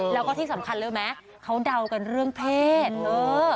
แล้วก็ที่สำคัญเขาเดากันเรื่องเพศ